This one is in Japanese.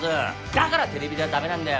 だからテレビ出はだめなんだよ。